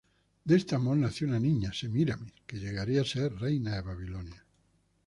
De este amor nació una niña, Semíramis, que llegaría a ser reina de Babilonia.